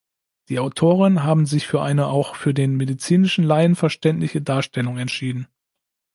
Die Autoren haben sich für eine auch für den medizinischen Laien verständliche Darstellung entschieden.